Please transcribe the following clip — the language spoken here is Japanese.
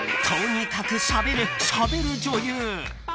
［とにかくしゃべる］